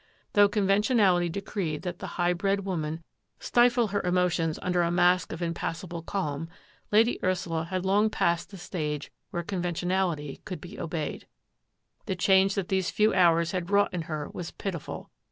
Though conventionality decreed that the high bred woman stifle her emotions under a mask of impassive calm. Lady Ursula had long passed the stage where conventionality could be obeyed. The change that these few hours had wrought in her was pitiful.